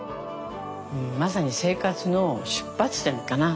まさに生活の出発点かな。